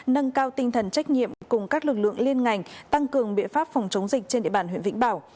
nâng cao tinh thần trách nhiệm cùng các lực lượng liên ngành tăng cường biện pháp phòng chống dịch trên địa bàn huyện vĩnh bảo